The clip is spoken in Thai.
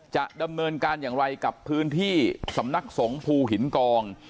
จะดำเนินการอย่างไรกับพื้นที่สำนักสงภูหินกอง